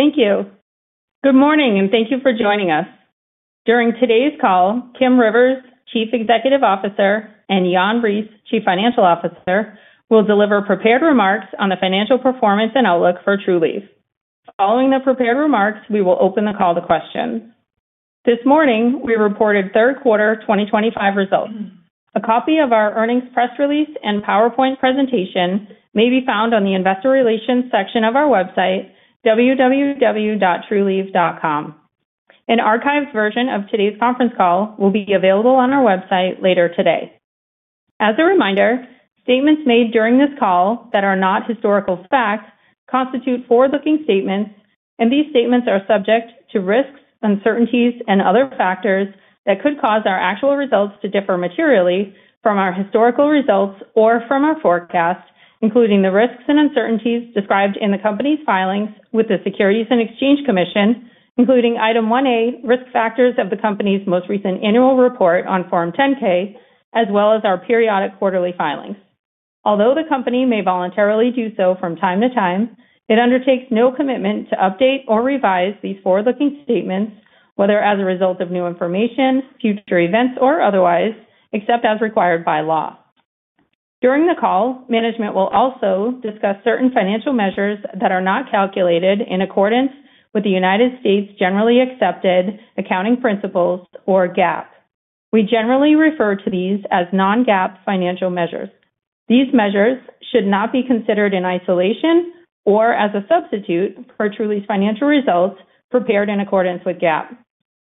Thank you. Good morning, and thank you for joining us. During today's call, Kim Rivers, Chief Executive Officer, and Jan Reese, Chief Financial Officer, will deliver prepared remarks on the financial performance and outlook for Trulieve. Following the prepared remarks, we will open the call to questions. This morning, we reported third quarter 2025 results. A copy of our earnings press release and PowerPoint presentation may be found on the investor relations section of our website, www.trulieve.com. An archived version of today's conference call will be available on our website later today. As a reminder, statements made during this call that are not historical fact constitute forward-looking statements, and these statements are subject to risks, uncertainties, and other factors that could cause our actual results to differ materially from our historical results or from our forecast, including the risks and uncertainties described in the company's filings with the Securities and Exchange Commission, including item 1A, risk factors of the company's most recent annual report on Form 10-K, as well as our periodic quarterly filings. Although the company may voluntarily do so from time to time, it undertakes no commitment to update or revise these forward-looking statements, whether as a result of new information, future events, or otherwise, except as required by law. During the call, management will also discuss certain financial measures that are not calculated in accordance with the United States Generally Accepted Accounting Principles, or GAAP. We generally refer to these as non-GAAP financial measures. These measures should not be considered in isolation or as a substitute for Trulieve's financial results prepared in accordance with GAAP.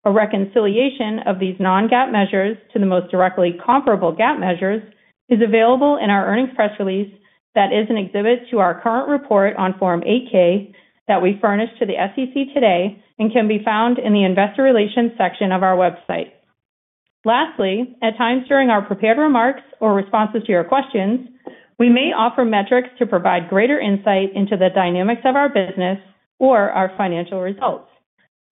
A reconciliation of these non-GAAP measures to the most directly comparable GAAP measures is available in our earnings press release that is an exhibit to our current report on Form 8-K that we furnish to the SEC today and can be found in the investor relations section of our website. Lastly, at times during our prepared remarks or responses to your questions, we may offer metrics to provide greater insight into the dynamics of our business or our financial results.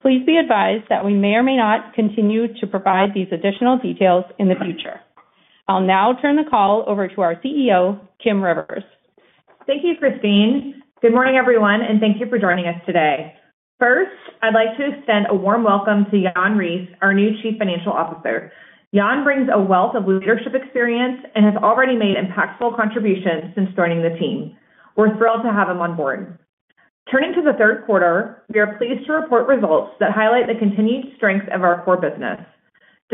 Please be advised that we may or may not continue to provide these additional details in the future. I'll now turn the call over to our CEO, Kim Rivers. Thank you, Christine. Good morning, everyone, and thank you for joining us today. First, I'd like to extend a warm welcome to Jan Reese, our new Chief Financial Officer. Jan brings a wealth of leadership experience and has already made impactful contributions since joining the team. We're thrilled to have him on board. Turning to the third quarter, we are pleased to report results that highlight the continued strength of our core business.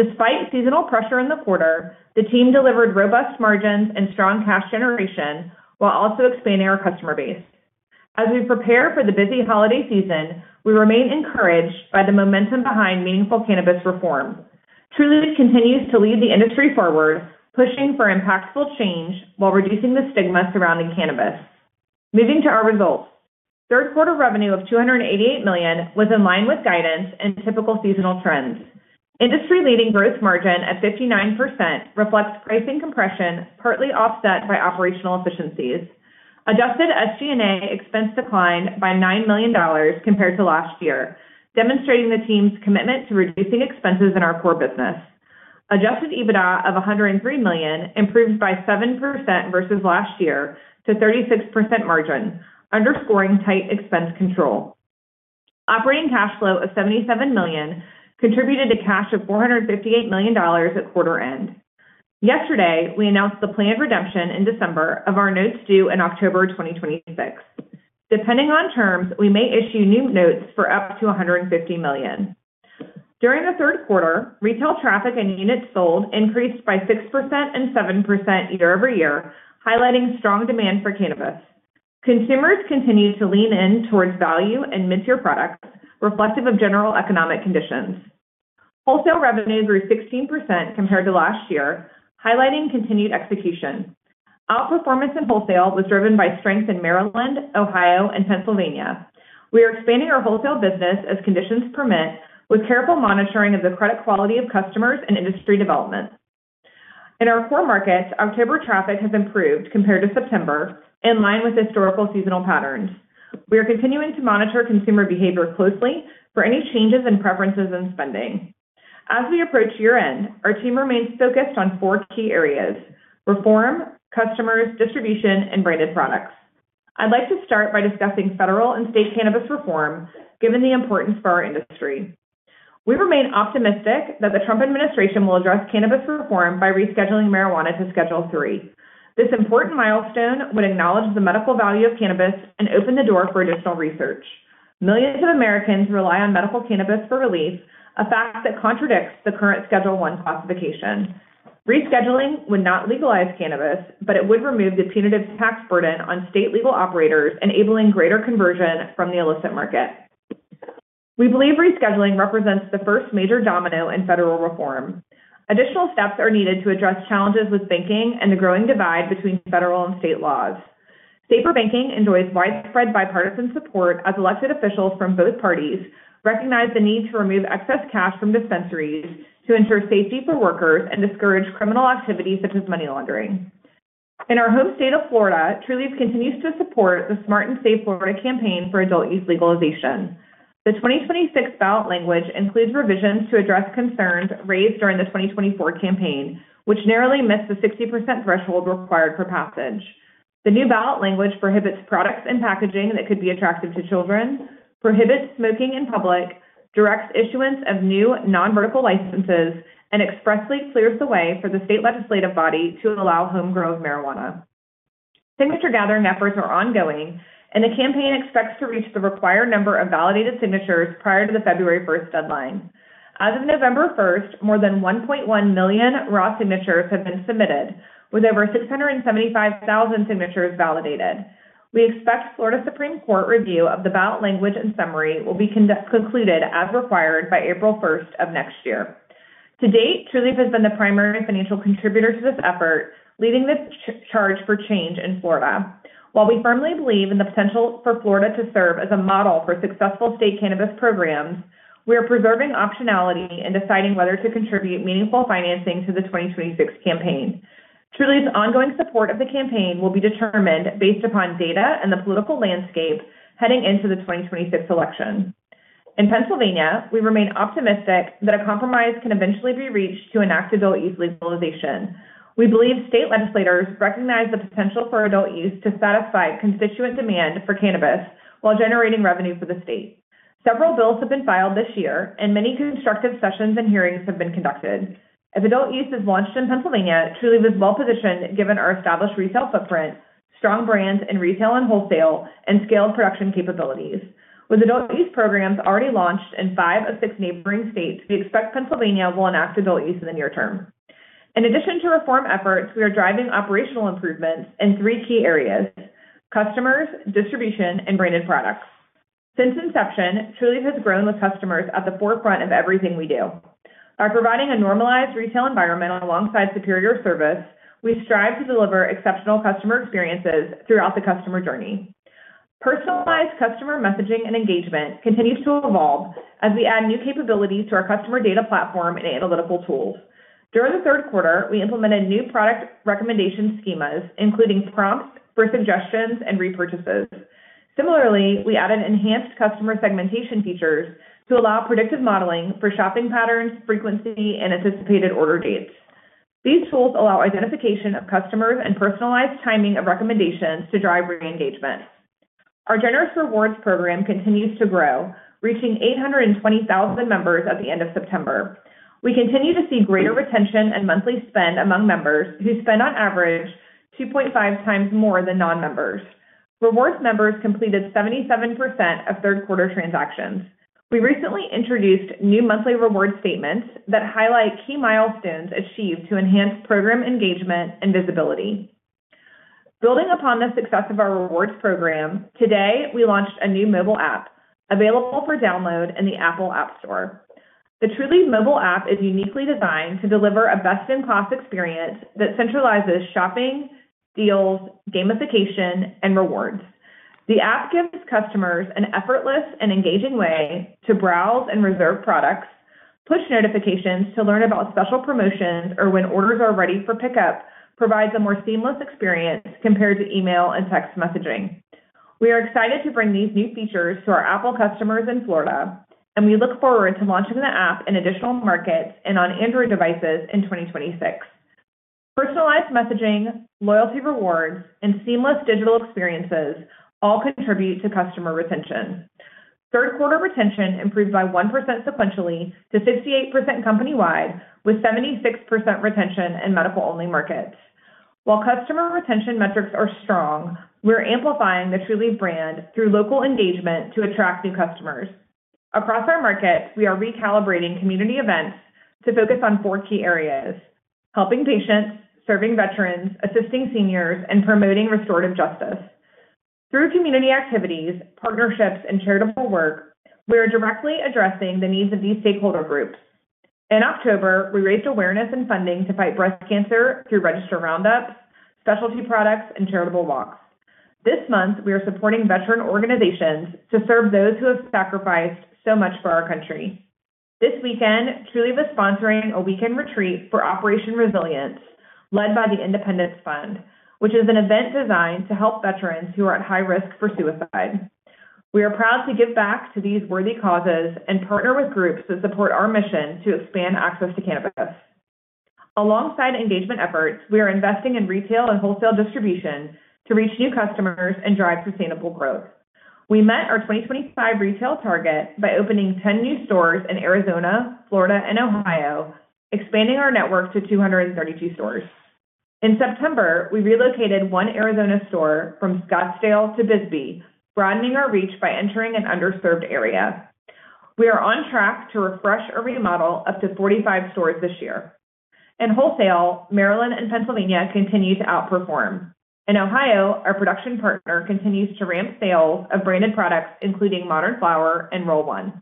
Despite seasonal pressure in the quarter, the team delivered robust margins and strong cash generation while also expanding our customer base. As we prepare for the busy holiday season, we remain encouraged by the momentum behind meaningful cannabis reform. Trulieve continues to lead the industry forward, pushing for impactful change while reducing the stigma surrounding cannabis. Moving to our results. Third quarter revenue of $288 million was in line with guidance and typical seasonal trends. Industry-leading gross margin at 59% reflects pricing compression partly offset by operational efficiencies. Adjusted SG&A expense declined by $9 million compared to last year, demonstrating the team's commitment to reducing expenses in our core business. Adjusted EBITDA of $103 million improved by 7% versus last year to 36% margin, underscoring tight expense control. Operating Cash Flow of $77 million contributed to cash of $458 million at quarter-end. Yesterday, we announced the planned redemption in December of our notes due in October 2026. Depending on terms, we may issue new notes for up to $150 million. During the third quarter, retail traffic and units sold increased by 6% and 7% year-over-year, highlighting strong demand for cannabis. Consumers continue to lean in towards value and mid-tier products, reflective of general economic conditions. Wholesale revenue grew 16% compared to last year, highlighting continued execution. Outperformance in wholesale was driven by strength in Maryland, Ohio, and Pennsylvania. We are expanding our wholesale business as conditions permit, with careful monitoring of the credit quality of customers and industry development. In our core markets October traffic has improved compared to September, in line with historical seasonal patterns. We are continuing to monitor consumer behavior closely for any changes in preferences and spending. As we approach year-end, our team remains focused on four key areas: reform, customers, distribution, and branded products. I'd like to start by discussing federal and state cannabis reform, given the importance for our industry. We remain optimistic that the Trump administration will address cannabis reform by rescheduling marijuana to Schedule III. This important milestone would acknowledge the medical value of cannabis and open the door for additional research. Millions of Americans rely on medical cannabis for relief, a fact that contradicts the current Schedule I classification. Rescheduling would not legalize Cannabis, but it would remove the punitive tax burden on state legal operators, enabling greater conversion from the illicit market. We believe rescheduling represents the first major domino in federal reform. Additional steps are needed to address challenges with banking and the growing divide between federal and state laws. Safer Banking enjoys widespread bipartisan support as elected officials from both parties recognize the need to remove excess cash from dispensaries to ensure safety for workers and discourage criminal activity such as money laundering. In our home state of Florida, Trulieve continues to support the Smart & Safe Florida campaign for adult use legalization. The 2026 ballot language includes revisions to address concerns raised during the 2024 campaign, which narrowly missed the 60% threshold required for passage. The new ballot language prohibits products and packaging that could be attractive to children, prohibits smoking in public, directs issuance of new non-vertical licenses, and expressly clears the way for the state legislative body to allow home-grown marijuana. Signature-gathering efforts are ongoing, and the campaign expects to reach the required number of validated signatures prior to the February 1 deadline. As of November 1, more than 1.1 million raw signatures have been submitted, with over 675,000 signatures validated. We expect Florida Supreme Court review of the ballot language and summary will be concluded as required by April 1 of next year. To date, Trulieve has been the primary financial contributor to this effort, leading the charge for change in Florida. While we firmly believe in the potential for Florida to serve as a model for successful state cannabis programs, we are preserving optionality in deciding whether to contribute meaningful financing to the 2026 campaign. Trulieve's ongoing support of the campaign will be determined based upon data and the political landscape heading into the 2026 election. In Pennsylvania, we remain optimistic that a compromise can eventually be reached to enact adult use legalization. We believe state legislators recognize the potential for adult use to satisfy constituent demand for cannabis while generating revenue for the state. Several bills have been filed this year, and many constructive sessions and hearings have been conducted. If adult use is launched in Pennsylvania, Trulieve is well-positioned given our established retail footprint, strong brands in retail and wholesale, and scaled production capabilities. With adult use programs already launched in five of six neighboring states, we expect Pennsylvania will enact adult use in the near term. In addition to reform efforts, we are driving operational improvements in three key areas: customers, distribution, and branded products. Since inception, Trulieve has grown with customers at the forefront of everything we do. By providing a normalized retail environment alongside superior service, we strive to deliver exceptional customer experiences throughout the customer journey. Personalized customer messaging and engagement continues to evolve as we add new capabilities to our customer data platform and analytical tools. During the third quarter, we implemented new product recommendation schemas, including prompts for suggestions and repurchases. Similarly, we added enhanced customer segmentation features to allow predictive modeling for shopping patterns, frequency, and anticipated order dates. These tools allow identification of customers and personalized timing of recommendations to drive re-engagement. Our Generous Rewards program continues to grow, reaching 820,000 members at the end of September. We continue to see greater retention and monthly spend among members, who spend on average 2.5 times more than non-members. Rewards members completed 77% of third-quarter transactions. We recently introduced new monthly reward statements that highlight key milestones achieved to enhance program engagement and visibility. Building upon the success of our rewards program, today we launched a new mobile app available for download in the Apple App Store. The Trulieve mobile app is uniquely designed to deliver a best-in-class experience that centralizes shopping, deals, gamification, and rewards. The app gives customers an effortless and engaging way to browse and reserve products, push notifications to learn about special promotions, or when orders are ready for pickup, provides a more seamless experience compared to email and text messaging. We are excited to bring these new features to our Apple customers in Florida, and we look forward to launching the app in additional markets and on Android devices in 2026. Personalized messaging, loyalty rewards, and seamless digital experiences all contribute to customer retention. Third-quarter retention improved by 1% sequentially to 58% company-wide, with 76% retention in medical-only markets. While customer retention metrics are strong, we're amplifying the Trulieve brand through local engagement to attract new customers. Across our market, we are recalibrating community events to focus on four key areas: helping patients, serving veterans, assisting seniors, and promoting restorative justice. Through community activities, partnerships, and charitable work, we are directly addressing the needs of these stakeholder groups. In October, we raised awareness and funding to fight breast cancer through register roundups, specialty products, and charitable walks. This month, we are supporting veteran organizations to serve those who have sacrificed so much for our country. This weekend, Trulieve is sponsoring a weekend retreat for Operation Resilience, led by the Independence Fund, which is an event designed to help veterans who are at high risk for suicide. We are proud to give back to these worthy causes and partner with groups that support our mission to expand access to cannabis. Alongside engagement efforts, we are investing in retail and wholesale distribution to reach new customers and drive sustainable growth. We met our 2025 retail target by opening 10 new stores in Arizona, Florida, and Ohio, expanding our network to 232 stores. In September, we relocated one Arizona store from Scottsdale to Bisbee, broadening our reach by entering an underserved area. We are on track to refresh or remodel up to 45 stores this year. In wholesale, Maryland and Pennsylvania continue to outperform. In Ohio, our production partner continues to ramp sales of branded products, including Modern Flower and Roll One.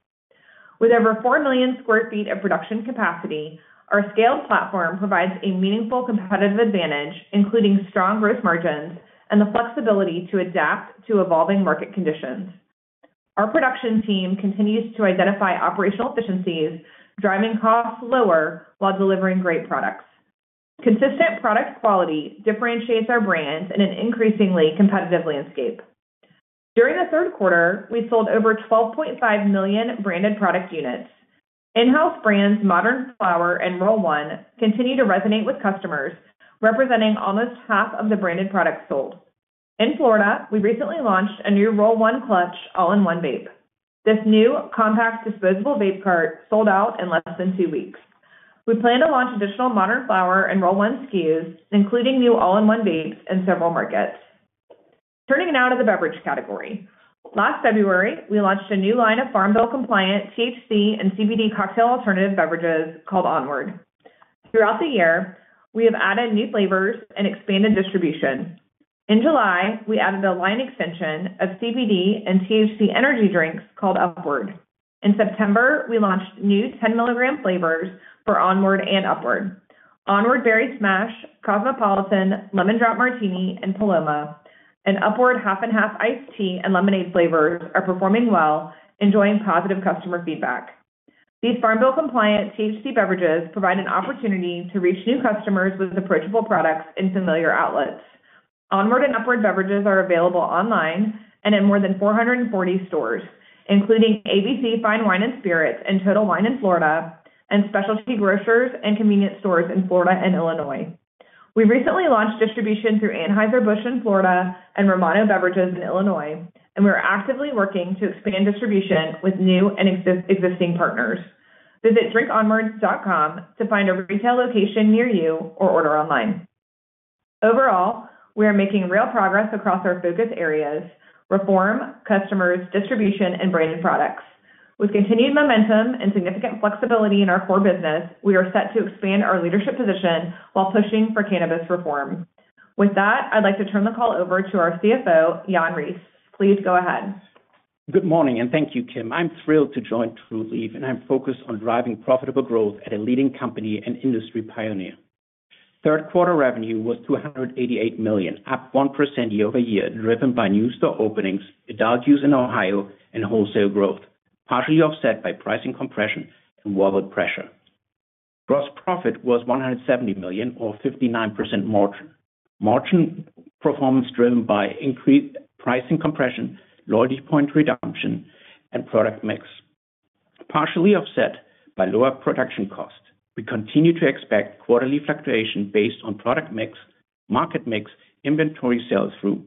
With over 4 million sq ft of production capacity, our scaled platform provides a meaningful competitive advantage, including strong gross margins and the flexibility to adapt to evolving market conditions. Our production team continues to identify operational efficiencies, driving costs lower while delivering great products. Consistent product quality differentiates our brands in an increasingly competitive landscape. During the third quarter, we sold over 12.5 million branded product units. In-house brands Modern Flower and Roll One continue to resonate with customers, representing almost half of the branded products sold. In Florida, we recently launched a new Roll One clutch all-in-one vape. This new compact disposable vape cart sold out in less than two weeks. We plan to launch additional Modern Flower and Roll One SKUs, including new all-in-one vapes in several markets. Turning now to the beverage category. Last February, we launched a new line of Farm Bill-compliant THC and CBD cocktail alternative beverages called Onward. Throughout the year, we have added new flavors and expanded distribution. In July, we added a line extension of CBD and THC energy drinks called Upward. In September, we launched new 10mg flavors for Onward and Upward. Onward Berry Smash, Cosmopolitan, Lemon Drop Martini, and Paloma, and Upward Half and Half Iced Tea and Lemonade flavors are performing well, enjoying positive customer feedback. These Farm Bill-compliant THC beverages provide an opportunity to reach new customers with approachable products in familiar outlets. Onward and Upward beverages are available online and in more than 440 stores, including ABC Fine Wine and Spirits and Total Wine in Florida, and specialty grocers and convenience stores in Florida and Illinois. We recently launched distribution through Anheuser-Busch in Florida and Romano Beverages in Illinois, and we are actively working to expand distribution with new and existing partners. Visit drinkonwards.com to find a retail location near you or order online. Overall, we are making real progress across our focus areas: reform, customers, distribution, and branded products. With continued momentum and significant flexibility in our core business, we are set to expand our leadership position while pushing for cannabis reform. With that, I'd like to turn the call over to our CFO, Jan Reese. Please go ahead. Good morning, and thank you, Kim. I'm thrilled to join Trulieve, and I'm focused on driving profitable growth at a leading company and industry pioneer. Third-quarter revenue was $288 million, up 1% year-over-year, driven by new store openings, drug use in Ohio, and wholesale growth, partially offset by pricing compression and wallet pressure. Gross profit was $170 million, or 59% margin. Margin performance driven by increased pricing compression, loyalty point reduction, and product mix. Partially offset by lower production costs, we continue to expect quarterly fluctuation based on product mix, market mix, inventory sales through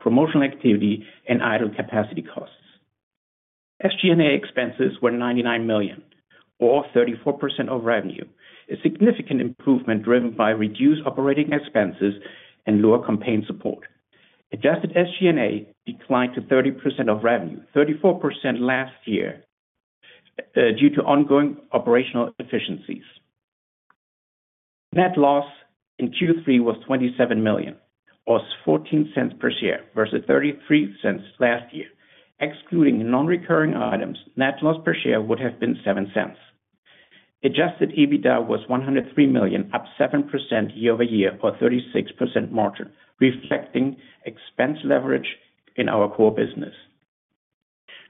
promotional activity, and idle capacity costs. SG&A expenses were $99 million, or 34% of revenue, a significant improvement driven by reduced operating expenses and lower campaign support. Adjusted SG&A declined to 30% of revenue, 34% last year, due to ongoing operational efficiencies. Net loss in Q3 was $27 million, or $0.14 per share, versus $0.33 last year. Excluding non-recurring items, net loss per share would have been $0.07. Adjusted EBITDA was $103 million, up 7% year-over-year, or 36% margin, reflecting expense leverage in our core business.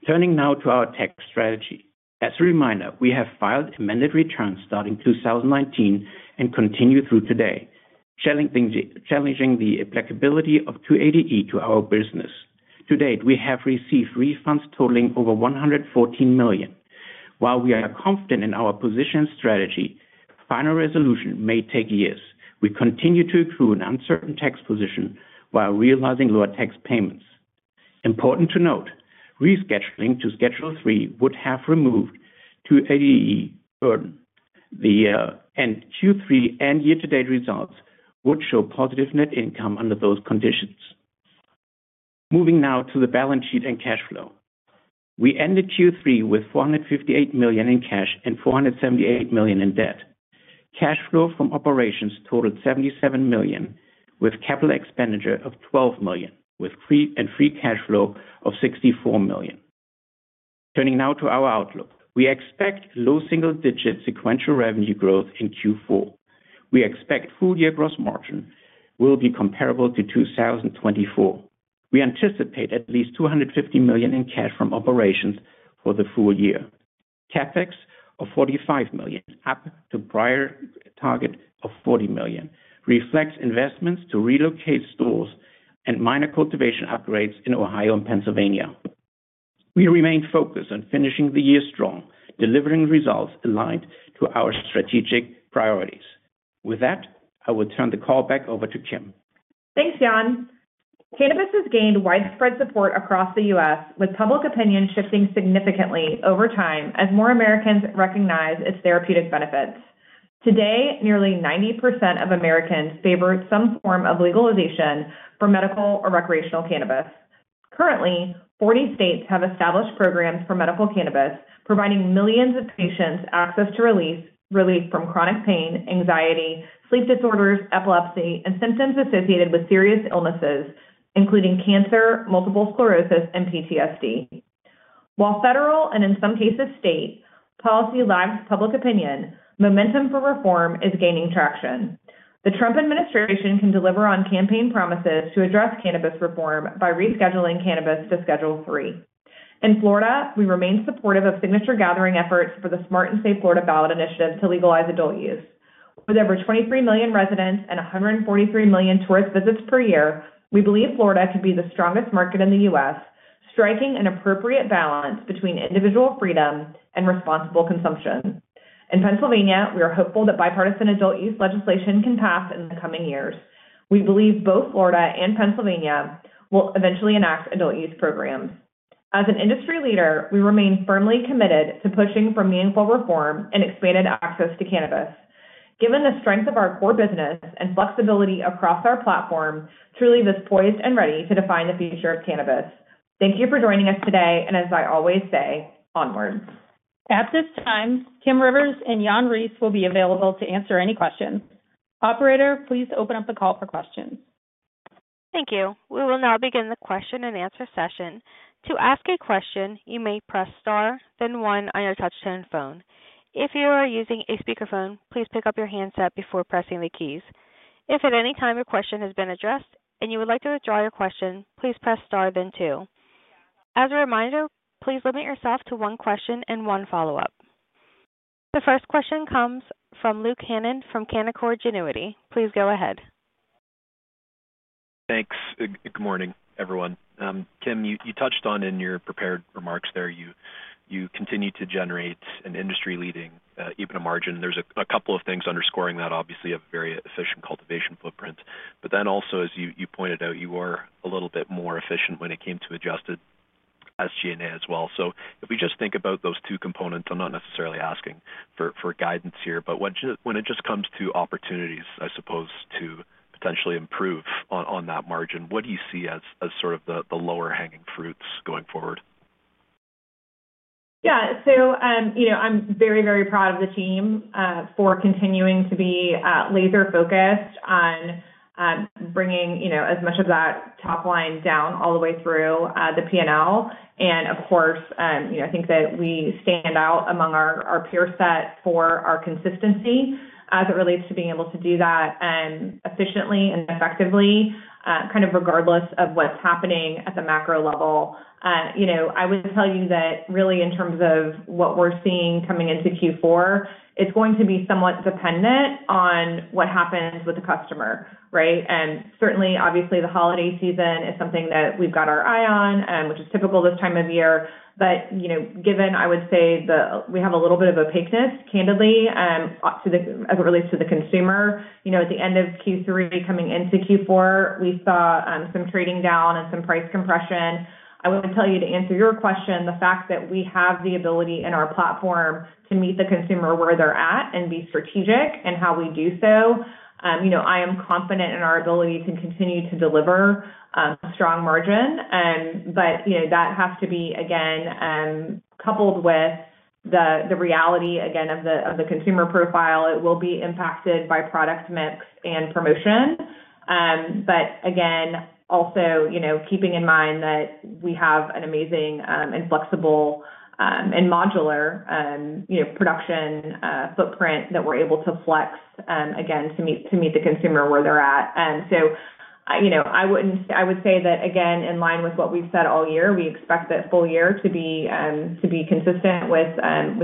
Turning now to our tax strategy. As a reminder, we have filed amended returns starting 2019 and continue through today, challenging the applicability of 280E to our business. To date, we have received refunds totaling over $114 million. While we are confident in our position and strategy, final resolution may take years. We continue to accrue an uncertain tax position while realizing lower tax payments. Important to note, rescheduling to Schedule III would have removed 280E burden. Q3 and year-to-date results would show positive net income under those conditions. Moving now to the balance sheet and cash flow. We ended Q3 with $458 million in cash and $478 million in debt. Cash flow from operations totaled $77 million, with capital expenditure of $12 million, and free cash flow of $64 million. Turning now to our outlook, we expect low single-digit sequential revenue growth in Q4. We expect full-year gross margin will be comparable to 2024. We anticipate at least $250 million in cash from operations for the full year. CapEx of $45 million, up to prior target of $40 million, reflects investments to relocate stores and minor cultivation upgrades in Ohio and Pennsylvania. We remain focused on finishing the year strong, delivering results aligned to our strategic priorities. With that, I will turn the call back over to Kim. Thanks, Jan. Cannabis has gained widespread support across the U.S., with public opinion shifting significantly over time as more Americans recognize its therapeutic benefits. Today, nearly 90% of Americans favor some form of legalization for medical or recreational cannabis. Currently, 40 states have established programs for medical cannabis, providing millions of patients access to relief from chronic pain, anxiety, sleep disorders, epilepsy, and symptoms associated with serious illnesses, including cancer, multiple sclerosis, and PTSD. While federal and, in some cases, state policy lags public opinion, momentum for reform is gaining traction. The Trump administration can deliver on campaign promises to address cannabis reform by rescheduling cannabis to Schedule III. In Florida, we remain supportive of signature-gathering efforts for the Smart & Safe Florida ballot initiative to legalize adult use. With over 23 million residents and 143 million tourist visits per year, we believe Florida could be the strongest market in the U.S., striking an appropriate balance between individual freedom and responsible consumption. In Pennsylvania, we are hopeful that bipartisan adult use legislation can pass in the coming years. We believe both Florida and Pennsylvania will eventually enact adult use programs. As an industry leader, we remain firmly committed to pushing for meaningful reform and expanded access to cannabis. Given the strength of our core business and flexibility across our platform, Trulieve is poised and ready to define the future of cannabis. Thank you for joining us today, and as I always say, onward. At this time, Kim Rivers and Jan Reese will be available to answer any questions. Operator, please open up the call for questions. Thank you. We will now begin the question-and-answer session. To ask a question, you may press Star, then 1 on your touchscreen phone. If you are using a speakerphone, please pick up your handset before pressing the keys. If at any time your question has been addressed and you would like to withdraw your question, please press Star, then 2. As a reminder, please limit yourself to one question and one follow-up. The first question comes from Luke Hannan from Canaccord Genuity. Please go ahead. Thanks. Good morning, everyone. Kim, you touched on in your prepared remarks there you continue to generate an industry-leading EBITDA margin. There's a couple of things underscoring that, obviously, a very efficient cultivation footprint. But then also, as you pointed out, you are a little bit more efficient when it came to adjusted SG&A as well. If we just think about those two components, I'm not necessarily asking for guidance here, but when it just comes to opportunities, I suppose, to potentially improve on that margin, what do you see as sort of the lower-hanging fruits going forward? Yeah. I'm very, very proud of the team for continuing to be laser-focused on. Bringing as much of that top line down all the way through the P&L. I think that we stand out among our peer set for our consistency as it relates to being able to do that efficiently and effectively, kind of regardless of what's happening at the macro level. I would tell you that really, in terms of what we're seeing coming into Q4, it's going to be somewhat dependent on what happens with the customer, right? Certainly, obviously, the holiday season is something that we've got our eye on, which is typical this time of year. Given, I would say, we have a little bit of opaqueness, candidly, as it relates to the consumer. At the end of Q3, coming into Q4, we saw some trading down and some price compression. I would tell you, to answer your question, the fact that we have the ability in our platform to meet the consumer where they're at and be strategic in how we do so, I am confident in our ability to continue to deliver a strong margin. That has to be, again, coupled with the reality, again, of the consumer profile. It will be impacted by product mix and promotion, again, also keeping in mind that we have an amazing and flexible and modular production footprint that we're able to flex, again, to meet the consumer where they're at. I would say that, again, in line with what we've said all year, we expect that full year to be consistent with,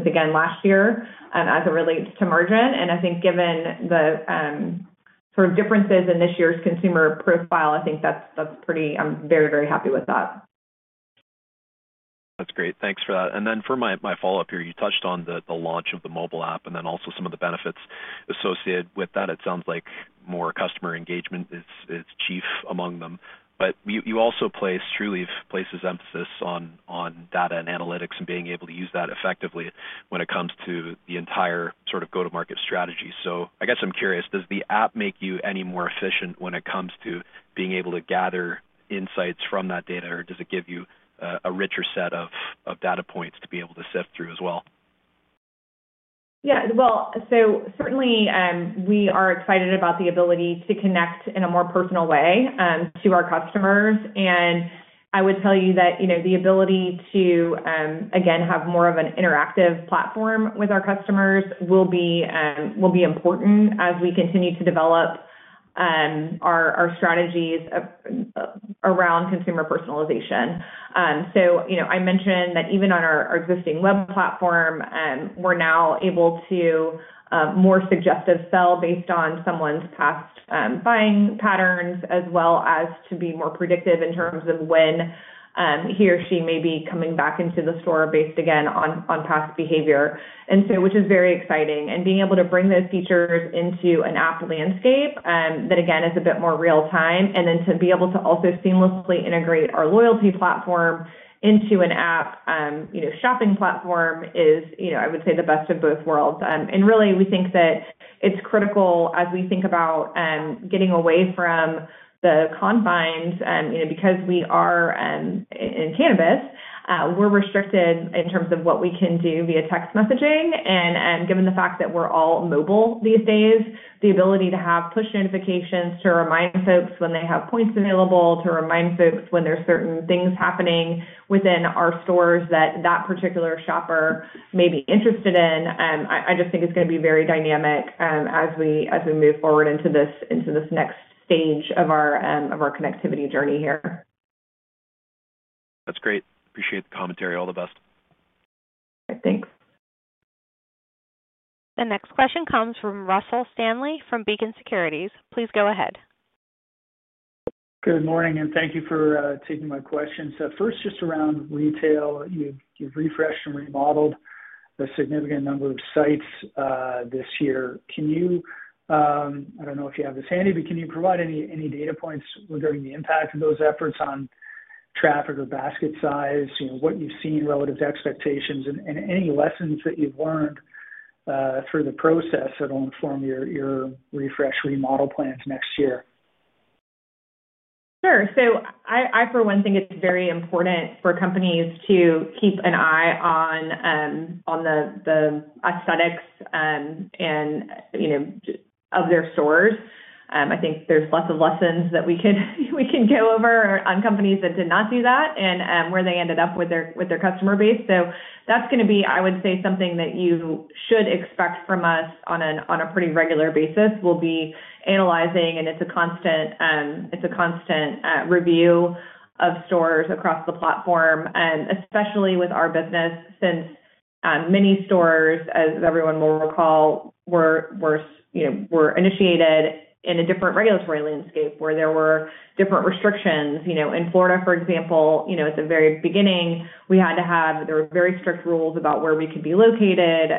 again, last year as it relates to margin. I think given the. Sort of differences in this year's consumer profile, I think that's pretty—I'm very, very happy with that. That's great. Thanks for that. For my follow-up here, you touched on the launch of the mobile app and then also some of the benefits associated with that. It sounds like more customer engagement is chief among them. You also place, Trulieve places emphasis on data and analytics and being able to use that effectively when it comes to the entire sort of go-to-market strategy. I guess I'm curious, does the app make you any more efficient when it comes to being able to gather insights from that data, or does it give you a richer set of data points to be able to sift through as well? Yeah. Certainly, we are excited about the ability to connect in a more personal way to our customers. I would tell you that the ability to, again, have more of an interactive platform with our customers will be important as we continue to develop our strategies around consumer personalization. I mentioned that even on our existing web platform, we're now able to more suggestive sell based on someone's past buying patterns, as well as to be more predictive in terms of when he or she may be coming back into the store based again on past behavior, which is very exciting. Being able to bring those features into an app landscape that, again, is a bit more real-time, and then to be able to also seamlessly integrate our loyalty platform into an app shopping platform is, I would say, the best of both worlds. We think that it's critical as we think about getting away from the confines because we are. In cannabis, we're restricted in terms of what we can do via text messaging. Given the fact that we're all mobile these days, the ability to have push notifications to remind folks when they have points available, to remind folks when there's certain things happening within our stores that that particular shopper may be interested in, I just think is going to be very dynamic as we move forward into this next stage of our connectivity journey here. That's great. Appreciate the commentary. All the best. Thanks. The next question comes from Russell Stanley from Beacon Securities. Please go ahead. Good morning, and thank you for taking my questions. First, just around retail, you've refreshed and remodeled a significant number of sites this year. I don't know if you have this handy, but can you provide any data points regarding the impact of those efforts on. Traffic or basket size, what you've seen relative to expectations, and any lessons that you've learned through the process that will inform your refresh remodel plans next year? Sure. I, for one, think it's very important for companies to keep an eye on the aesthetics of their stores. I think there's lots of lessons that we can go over on companies that did not do that and where they ended up with their customer base. That's going to be, I would say, something that you should expect from us on a pretty regular basis. We will be analyzing, and it's a constant review of stores across the platform, especially with our business, since many stores, as everyone will recall, were initiated in a different regulatory landscape where there were different restrictions. In Florida, for example, at the very beginning, we had to have—there were very strict rules about where we could be located.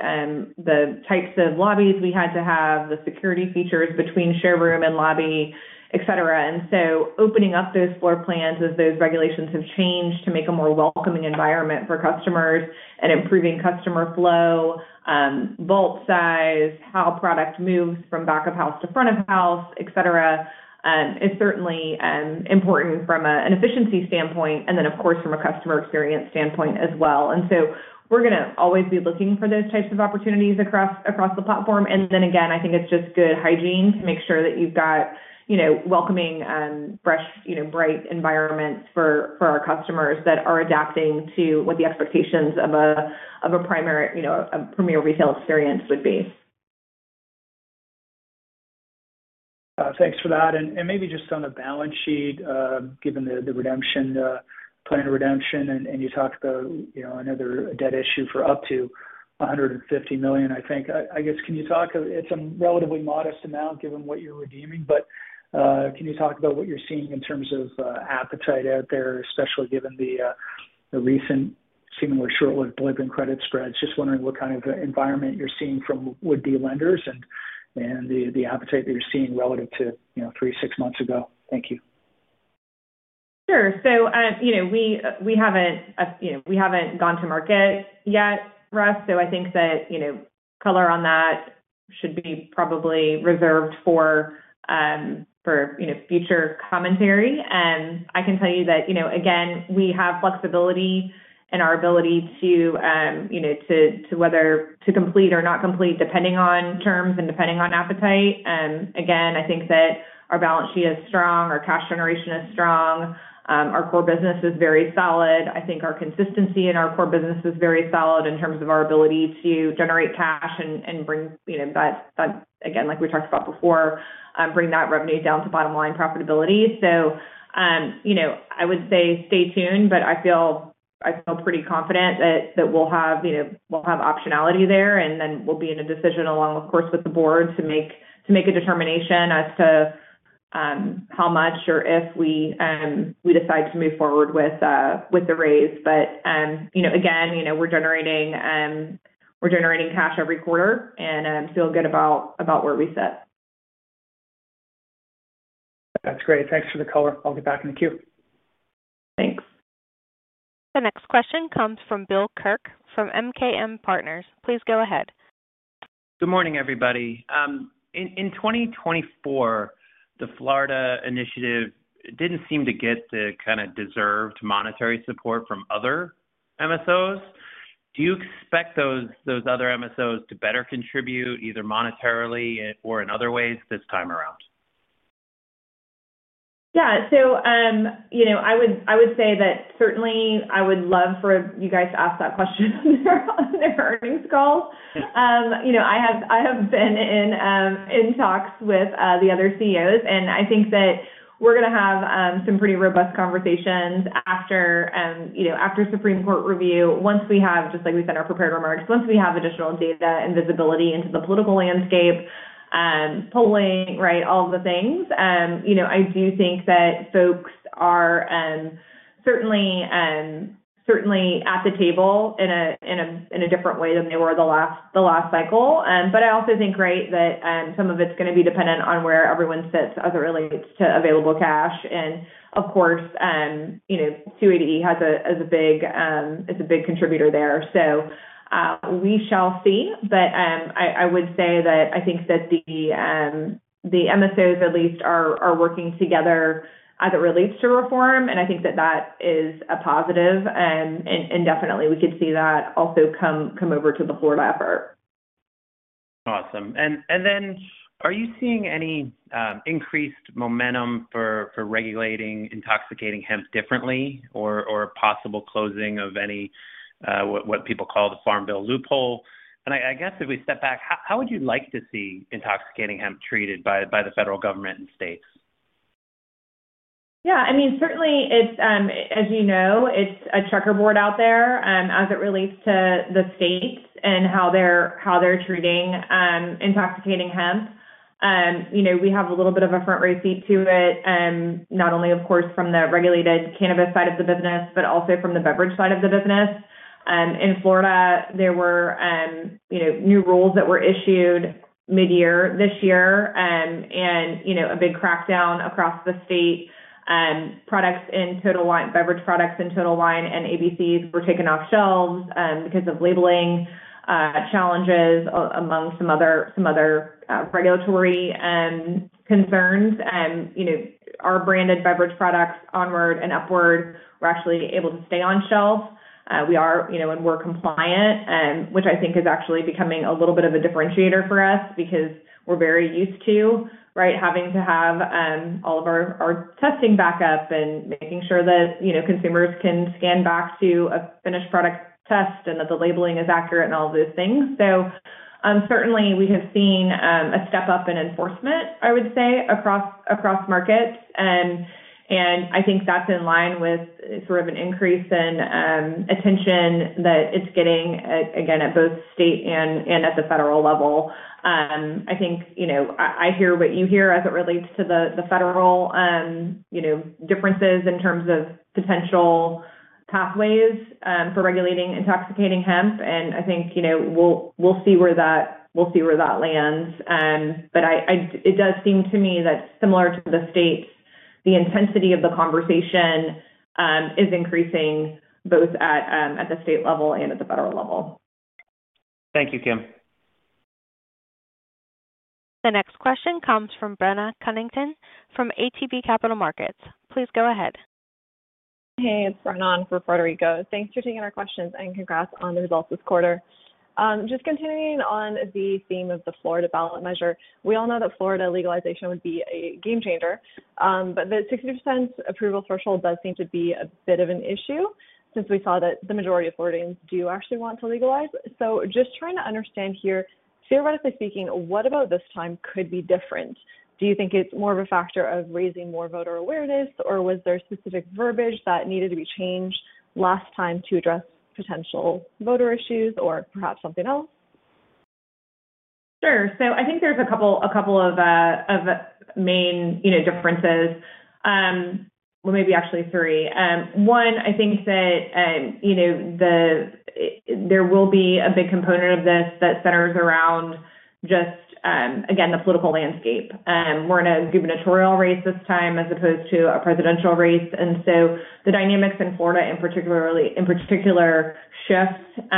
The types of lobbies we had to have, the security features between showroom and lobby, etc. Opening up those floor plans as those regulations have changed to make a more welcoming environment for customers and improving customer flow. Vault size, how product moves from back-of-house to front-of-house, etc., is certainly important from an efficiency standpoint and then, of course, from a customer experience standpoint as well. We are going to always be looking for those types of opportunities across the platform. I think it is just good hygiene to make sure that you have got welcoming, fresh, bright environments for our customers that are adapting to what the expectations of a premier retail experience would be. Thanks for that. Maybe just on a balance sheet, given the planned redemption, and you talked about another debt issue for up to $150 million, I think. I guess, can you talk—it's a relatively modest amount given what you're redeeming—but can you talk about what you're seeing in terms of appetite out there, especially given the recent seemingly short-lived blip in credit spreads? Just wondering what kind of environment you're seeing from would-be lenders and the appetite that you're seeing relative to three, six months ago. Thank you. Sure. We haven't gone to market yet, Russ. I think that color on that should be probably reserved for future commentary. I can tell you that, again, we have flexibility in our ability to, whether to complete or not complete, depending on terms and depending on appetite. Again, I think that our balance sheet is strong. Our cash generation is strong. Our core business is very solid. I think our consistency in our core business is very solid in terms of our ability to generate cash and bring that, again, like we talked about before, bring that revenue down to bottom-line profitability. I would say stay tuned, but I feel pretty confident that we'll have optionality there. Then we'll be in a decision, of course, with the board to make a determination as to how much or if we decide to move forward with the raise. Again, we're generating cash every quarter, and feel good about where we sit. That's great. Thanks for the color. I'll get back in the queue. Thanks. The next question comes from Bill Kirk from MKM Partners. Please go ahead. Good morning, everybody. In 2024, the Florida initiative didn't seem to get the kind of deserved monetary support from other MSOs. Do you expect those other MSOs to better contribute, either monetarily or in other ways, this time around? Yeah. I would say that certainly, I would love for you guys to ask that question on their earnings call. I have been in talks with the other CEOs, and I think that we're going to have some pretty robust conversations after Supreme Court review, just like we said in our prepared remarks, once we have additional data and visibility into the political landscape, polling, right, all of the things. I do think that folks are certainly at the table in a different way than they were the last cycle. I also think that some of it's going to be dependent on where everyone sits as it relates to available cash. Of course, 280E has a big contributor there. We shall see. I would say that I think that the MSOs, at least, are working together as it relates to reform. I think that that is a positive. Definitely, we could see that also come over to the Florida effort. Awesome. Are you seeing any increased momentum for regulating intoxicating hemp differently or possible closing of what people call the Farm Bill loophole? I guess if we step back, how would you like to see intoxicating hemp treated by the federal government and states? Yeah. I mean, certainly, as you know, it's a checkerboard out there as it relates to the states and how they're treating intoxicating hemp. We have a little bit of a front row seat to it, not only, of course, from the regulated cannabis side of the business, but also from the beverage side of the business. In Florida, there were. New rules that were issued mid-year this year, and a big crackdown across the state. Beverage products in Total Wine and ABCs were taken off shelves because of labeling challenges among some other regulatory concerns. Our branded beverage products Onward and Upward were actually able to stay on shelf. We are and were compliant, which I think is actually becoming a little bit of a differentiator for us because we're very used to, right, having to have all of our testing back up and making sure that consumers can scan back to a finished product test and that the labeling is accurate and all of those things. Certainly, we have seen a step up in enforcement, I would say, across markets. I think that's in line with sort of an increase in attention that it's getting, again, at both state and at the federal level. I think. I hear what you hear as it relates to the federal. Differences in terms of potential. Pathways for regulating intoxicating hemp. And I think. We'll see where that. Lands. It does seem to me that, similar to the states, the intensity of the conversation is increasing both at the state level and at the federal level. Thank you, Kim. The next question comes from Brenna Cunnington from ATB Capital Markets. Please go ahead. Hey, it's Brenna for Puerto Rico. Thanks for taking our questions and congrats on the results this quarter. Just continuing on the theme of the Florida ballot measure, we all know that Florida legalization would be a game changer, but the 60% approval threshold does seem to be a bit of an issue since we saw that the majority of Floridians do actually want to legalize. So just trying to understand here, theoretically speaking, what about this time could be different? Do you think it's more of a factor of raising more voter awareness, or was there specific verbiage that needed to be changed last time to address potential voter issues or perhaps something else? Sure. I think there's a couple of main differences. Maybe actually three. One, I think that there will be a big component of this that centers around, just again, the political landscape. We're in a gubernatorial race this time as opposed to a presidential race. The dynamics in Florida, in particular, shift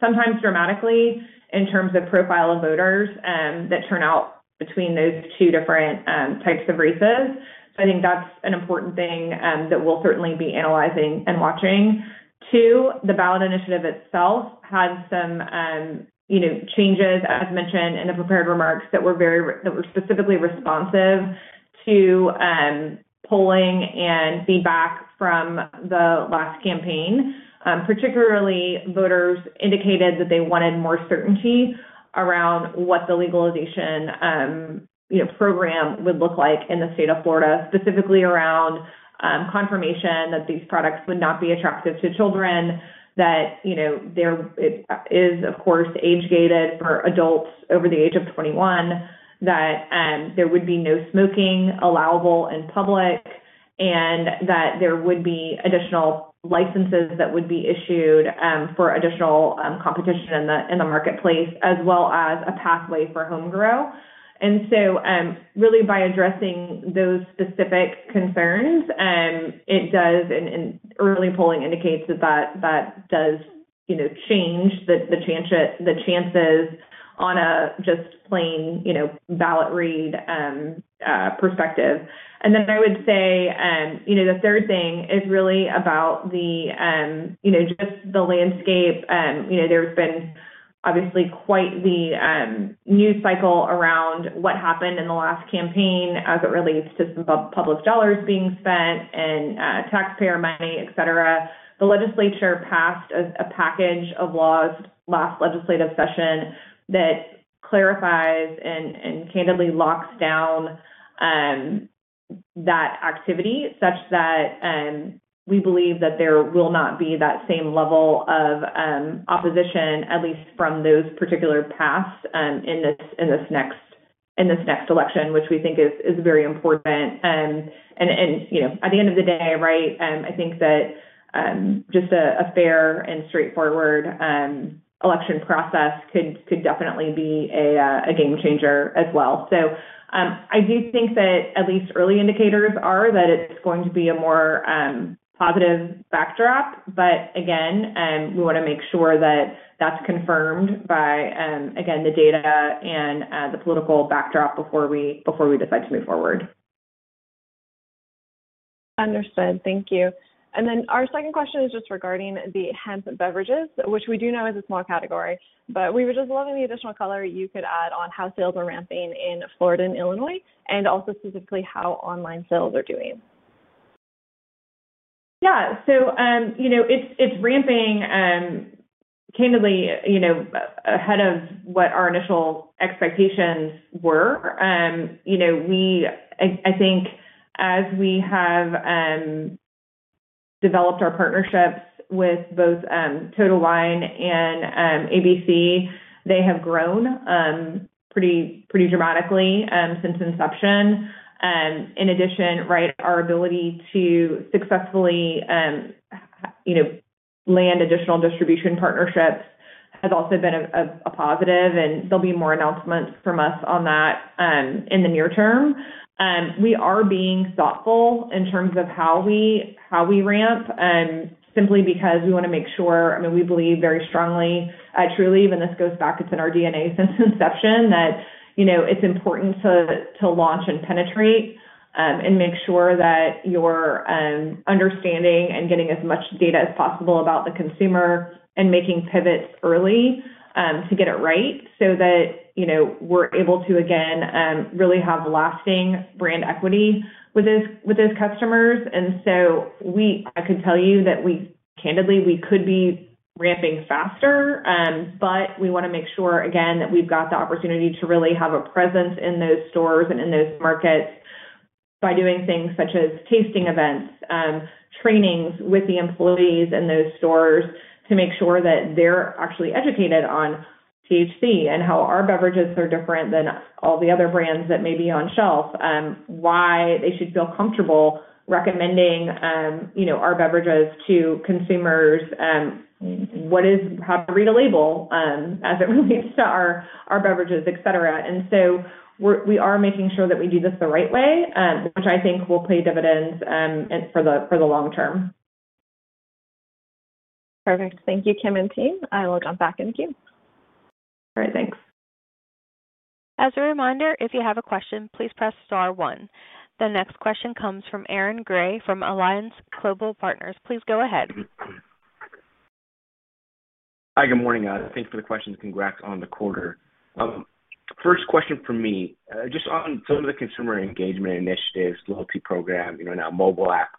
sometimes dramatically in terms of profile of voters that turn out between those two different types of races. I think that's an important thing that we'll certainly be analyzing and watching. Two, the ballot initiative itself had some. Changes, as mentioned in the prepared remarks, that were specifically responsive to polling and feedback from the last campaign. Particularly, voters indicated that they wanted more certainty around what the legalization program would look like in the state of Florida, specifically around confirmation that these products would not be attractive to children, that there is, of course, age gated for adults over the age of 21, that there would be no smoking allowable in public, and that there would be additional licenses that would be issued for additional competition in the marketplace, as well as a pathway for homegrow. And so really, by addressing those specific concerns, it does, and early polling indicates that that does, change the chances on a just plain ballot read perspective. I would say the third thing is really about just the landscape. There's been obviously quite the. News cycle around what happened in the last campaign as it relates to some public dollars being spent and taxpayer money, etc. The legislature passed a package of laws last legislative session that clarifies and candidly locks down that activity such that we believe that there will not be that same level of opposition, at least from those particular paths in this next election, which we think is very important. At the end of the day, right, I think that just a fair and straightforward election process could definitely be a game changer as well. I do think that at least early indicators are that it's going to be a more positive backdrop. Again, we want to make sure that that's confirmed by, again, the data and the political backdrop before we decide to move forward. Understood. Thank you. Our second question is just regarding the hemp beverages, which we do know is a small category. We were just loving the additional color you could add on how sales are ramping in Florida and Illinois, and also specifically how online sales are doing. Yeah. It is ramping, candidly, ahead of what our initial expectations were. I think as we have developed our partnerships with both Total Wine and ABC, they have grown pretty dramatically since inception. In addition, our ability to successfully land additional distribution partnerships has also been a positive, and there will be more announcements from us on that in the near term. We are being thoughtful in terms of how we. Ramp simply because we want to make sure—I mean, we believe very strongly, truly, even this goes back, it's in our DNA since inception—that it's important to launch and penetrate and make sure that you're understanding and getting as much data as possible about the consumer and making pivots early. To get it right so that we're able to, again, really have lasting brand equity with those customers. I could tell you that candidly, we could be ramping faster, but we want to make sure, again, that we've got the opportunity to really have a presence in those stores and in those markets by doing things such as tasting events, trainings with the employees in those stores to make sure that they're actually educated on. THC and how our beverages are different than all the other brands that may be on shelf, why they should feel comfortable recommending our beverages to consumers. How to read a label as it relates to our beverages, etc. We are making sure that we do this the right way, which I think will pay dividends for the long term. Perfect. Thank you, Kim and team. I will jump back into Q. All right. Thanks. As a reminder, if you have a question, please press star one. The next question comes from Aaron Gray from Alliance Global Partners. Please go ahead. Hi, good morning. Thanks for the questions. Congrats on the quarter. First question for me, just on some of the consumer engagement initiatives, loyalty program, now mobile app.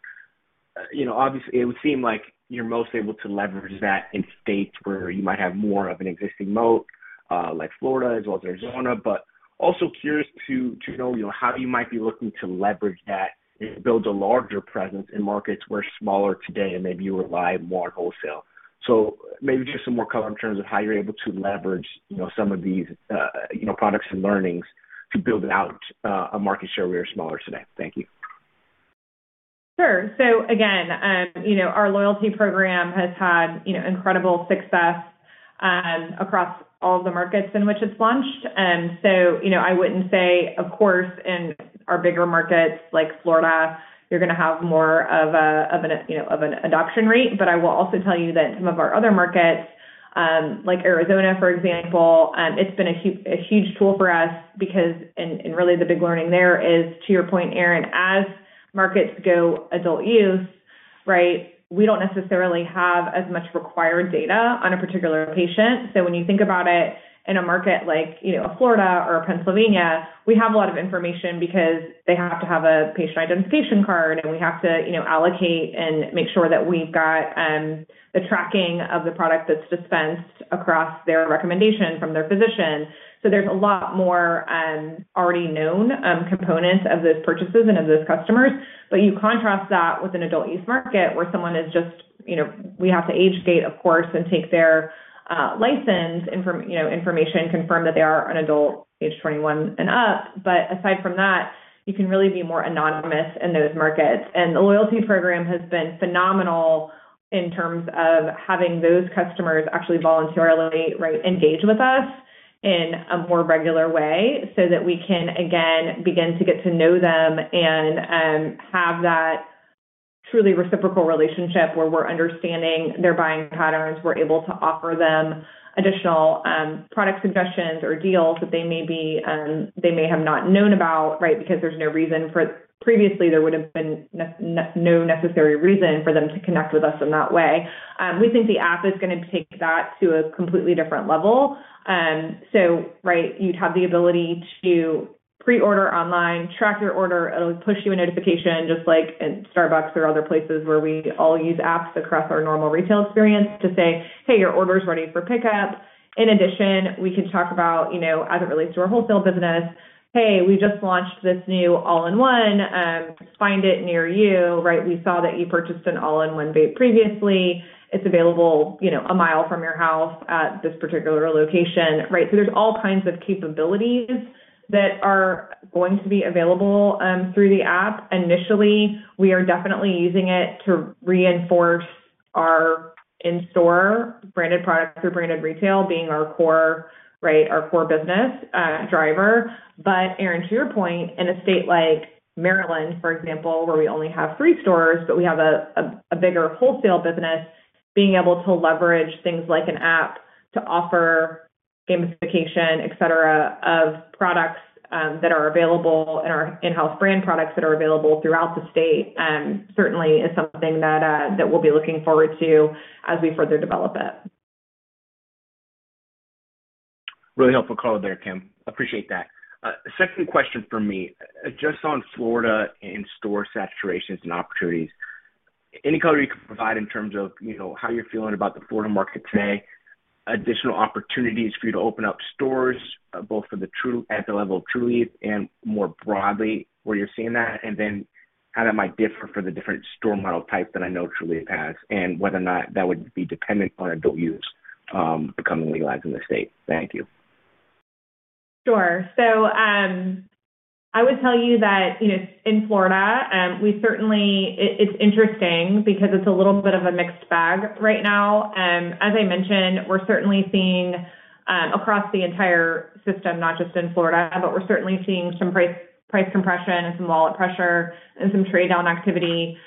Obviously, it would seem like you're most able to leverage that in states where you might have more of an existing moat, like Florida as well as Arizona. I am also curious to know how you might be looking to leverage that and build a larger presence in markets where smaller today and maybe you rely more on wholesale. Maybe just some more color in terms of how you're able to leverage some of these products and learnings to build out a market share where you're smaller today. Thank you. Sure. Again, our loyalty program has had incredible success across all of the markets in which it's launched. I would not say, of course, in our bigger markets like Florida, you're going to have more of an adoption rate. I will also tell you that some of our other markets. Like Arizona, for example, it's been a huge tool for us because—and really the big learning there is, to your point, Aaron, as markets go adult use, right, we don't necessarily have as much required data on a particular patient. When you think about it in a market like Florida or Pennsylvania, we have a lot of information because they have to have a patient identification card, and we have to allocate and make sure that we've got the tracking of the product that's dispensed across their recommendation from their physician. There's a lot more already known components of those purchases and of those customers. You contrast that with an adult use market where someone is just—we have to age gate, of course, and take their license information, confirm that they are an adult, age 21 and up. Aside from that, you can really be more anonymous in those markets. The loyalty program has been phenomenal in terms of having those customers actually voluntarily engage with us in a more regular way so that we can, again, begin to get to know them and have that truly reciprocal relationship where we're understanding their buying patterns. We're able to offer them additional product suggestions or deals that they may have not known about, right, because there's no reason for—previously, there would have been no necessary reason for them to connect with us in that way. We think the app is going to take that to a completely different level. Right, you'd have the ability to pre-order online, track your order. It'll push you a notification just like Starbucks or other places where we all use apps across our normal retail experience to say, "Hey, your order is ready for pickup." In addition, we can talk about, as it relates to our wholesale business, "Hey, we just launched this new all-in-one. Find it near you," right "We saw that you purchased an all-in-one vape previously. It's available a mile from your house at this particular location," right? There are all kinds of capabilities that are going to be available through the app. Initially, we are definitely using it to reinforce our in-store branded products through branded retail being our core business driver. Aaron, to your point, in a state like Maryland, for example, where we only have three stores, but we have a bigger wholesale business, being able to leverage things like an app to offer. Gamification, etc., of products that are available and our in-house brand products that are available throughout the state certainly is something that we'll be looking forward to as we further develop it. Really helpful call there, Kim. Appreciate that. Second question for me, just on Florida in-store saturations and opportunities, any color you could provide in terms of how you're feeling about the Florida market today, additional opportunities for you to open up stores, both for the level of Trulieve and more broadly where you're seeing that, and then how that might differ for the different store model types that I know Trulieve has and whether or not that would be dependent on adult use becoming legalized in the state. Thank you. Sure. I would tell you that in Florida, it's interesting because it's a little bit of a mixed bag right now. As I mentioned, we're certainly seeing across the entire system, not just in Florida, but we're certainly seeing some price compression and some wallet pressure and some trade-down activity.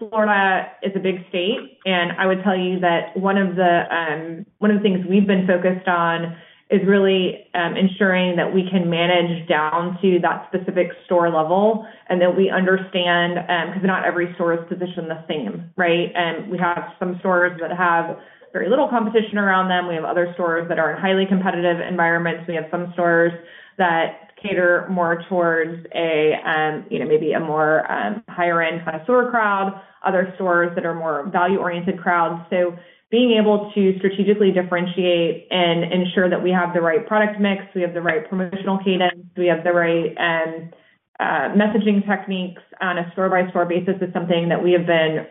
Florida is a big state, and I would tell you that one of the things we've been focused on is really ensuring that we can manage down to that specific store level and that we understand because not every store is positioned the same, right? We have some stores that have very little competition around them. We have other stores that are in highly competitive environments. We have some stores that cater more towards maybe a more higher-end kind of store crowd, other stores that are more value-oriented crowds. Being able to strategically differentiate and ensure that we have the right product mix, we have the right promotional cadence, we have the right. Messaging techniques on a store-by-store basis is something that we have been.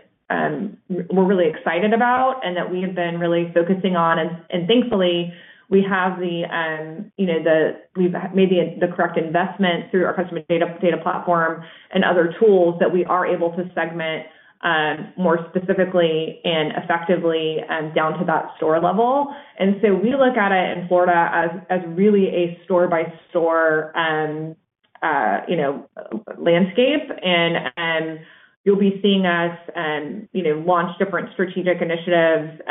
We're really excited about and that we have been really focusing on. Thankfully, we have the. We've made the correct investment through our customer data platform and other tools that we are able to segment more specifically and effectively down to that store level. We look at it in Florida as really a store-by-store landscape. You'll be seeing us launch different strategic initiatives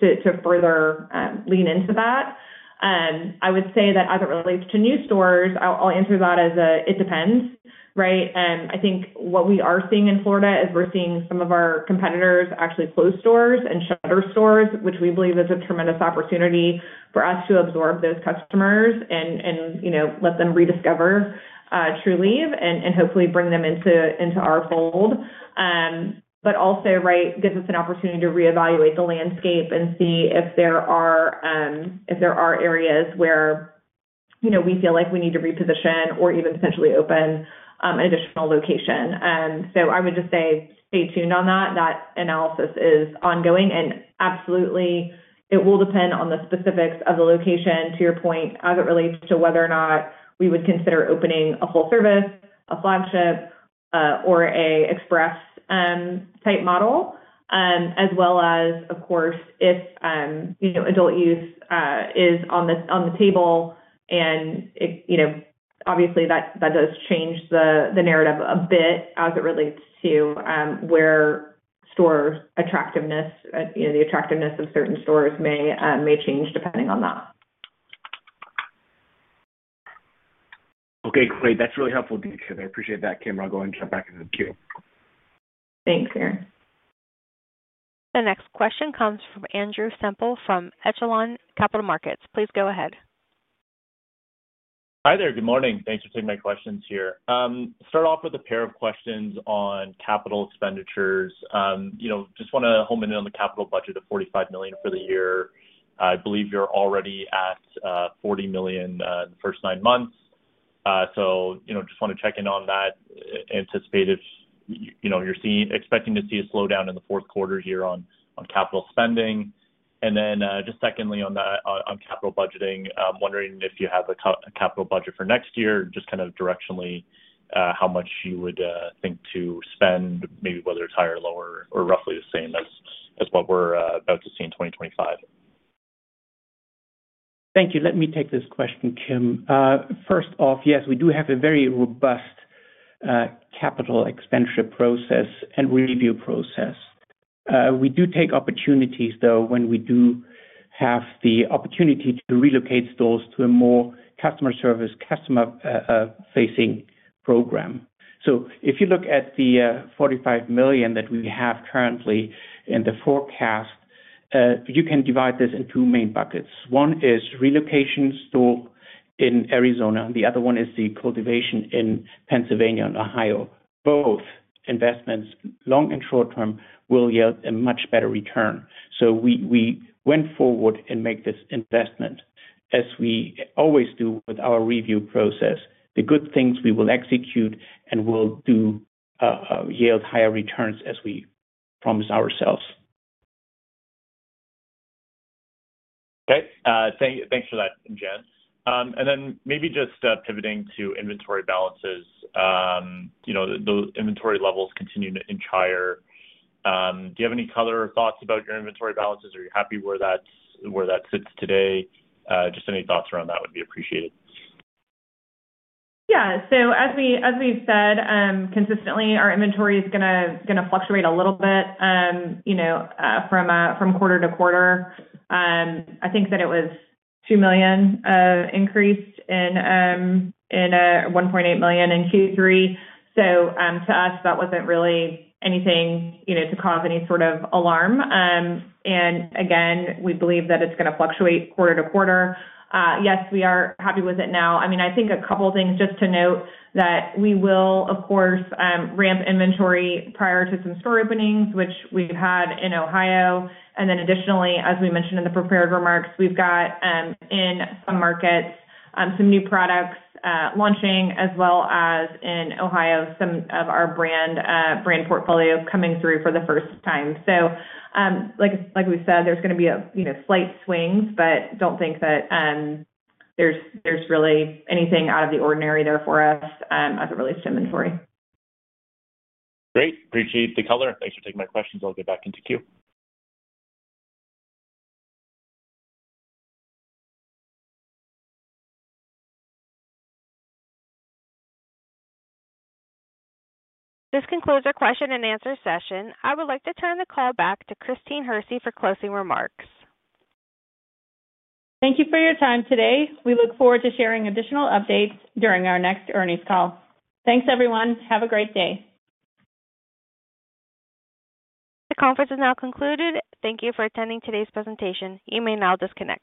to further lean into that. I would say that as it relates to new stores, I'll answer that as it depends, right? I think what we are seeing in Florida is we're seeing some of our competitors actually close stores and shutter stores, which we believe is a tremendous opportunity for us to absorb those customers and let them rediscover Trulieve and hopefully bring them into our fold. It also gives us an opportunity to reevaluate the landscape and see if there are areas where we feel like we need to reposition or even potentially open an additional location. I would just say stay tuned on that. That analysis is ongoing. Absolutely, it will depend on the specifics of the location, to your point, as it relates to whether or not we would consider opening a full service, a flagship, or an express type model, as well as, of course, if adult use is on the table. Obviously, that does change the narrative a bit as it relates to where store attractiveness, the attractiveness of certain stores may change depending on that. Okay. Great. That's really helpful, Dietrich. I appreciate that, Kim. I'll go ahead and jump back into the Q. Thanks, Aaron. The next question comes from Andrew Semple from Echelon Capital Markets. Please go ahead. Hi there. Good morning. Thanks for taking my questions here. Start off with a pair of questions on capital expenditures. Just want to hone in on the capital budget of $45 million for the year. I believe you're already at $40 million in the first nine months. Just want to check in on that. Anticipate if you're expecting to see a slowdown in the fourth quarter here on capital spending. Then just secondly on capital budgeting, I'm wondering if you have a capital budget for next year, just kind of directionally how much you would think to spend, maybe whether it's higher or lower or roughly the same as what we're about to see in 2025. Thank you. Let me take this question, Kim. First off, yes, we do have a very robust capital expenditure process and review process. We do take opportunities, though, when we do have the opportunity to relocate stores to a more customer-facing program. If you look at the $45 million that we have currently in the forecast, you can divide this into two main buckets. One is relocation store in Arizona, and the other one is the cultivation in Pennsylvania and Ohio. Both investments, long and short term, will yield a much better return. We went forward and made this investment, as we always do with our review process. The good things we will execute and will yield higher returns as we promise ourselves. Okay. Thanks for that, Jan. Maybe just pivoting to inventory balances. The inventory levels continue to inch higher. Do you have any color or thoughts about your inventory balances, or are you happy where that sits today? Just any thoughts around that would be appreciated. Yeah. As we have said consistently, our inventory is going to fluctuate a little bit from quarter to quarter. I think that it was $2 million increased in, $1.8 million in Q3. To us, that was not really anything to cause any sort of alarm. Again, we believe that it is going to fluctuate quarter to quarter. Yes, we are happy with it now. I mean, I think a couple of things just to note that we will, of course, ramp inventory prior to some store openings, which we have had in Ohio. Additionally, as we mentioned in the prepared remarks, we have got in some markets some new products launching, as well as in Ohio, some of our brand portfolio coming through for the first time. Like we said, there is going to be slight swings, but I do not think that. is really anything out of the ordinary, though, for us as it relates to inventory. Great. Appreciate the color. Thanks for taking my questions. I'll get back into Q. This concludes our question and answer session. I would like to turn the call back to Christine Hersey for closing remarks. Thank you for your time today. We look forward to sharing additional updates during our next earnings call. Thanks, everyone. Have a great day. The conference is now concluded. Thank you for attending today's presentation. You may now disconnect.